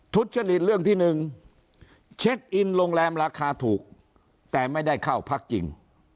ทุจริตเรื่องที่๑เช็คอินโรงแรมราคาถูกแต่ไม่ได้เข้าพักจริง